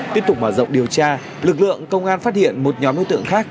tiếp tục mở rộng điều tra lực lượng công an phát hiện một nhóm đối tượng khác